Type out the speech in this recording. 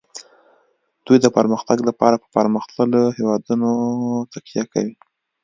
دوی د پرمختګ لپاره په پرمختللو هیوادونو تکیه کوي